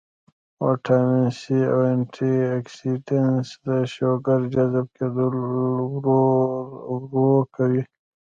وټامن سي او انټي اکسيډنټس د شوګر جذب کېدل ورو کوي